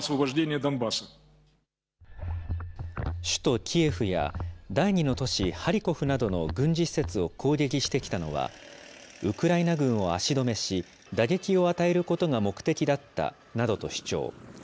首都キエフや、第２の都市ハリコフなどの軍事施設を攻撃してきたのは、ウクライナ軍を足止めし、打撃を与えることが目的だったなどと主張。